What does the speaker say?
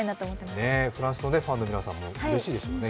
フランスのファンの皆さんもきっとうれしいでしょうね。